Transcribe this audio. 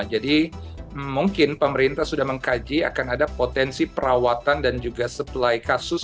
mungkin pemerintah sudah mengkaji akan ada potensi perawatan dan juga supply kasus